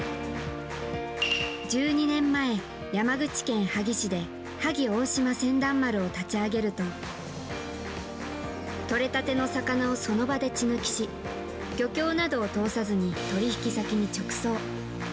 １２年前、山口県萩市で萩大島船団丸を立ち上げるととれたての魚をその場で血抜きし漁協などを通さず取引先に、直送。